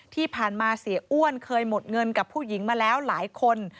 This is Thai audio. เสียอ้วนเคยหมดเงินกับผู้หญิงมาแล้วหลายคน